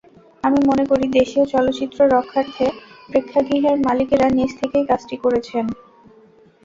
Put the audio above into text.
আমি মনে করি, দেশীয় চলচ্চিত্র রক্ষার্থে প্রেক্ষাগৃহের মালিকেরা নিজে থেকেই কাজটি করেছেন।